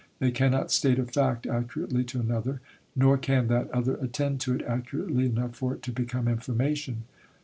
They cannot state a fact accurately to another, nor can that other attend to it accurately enough for it to become information.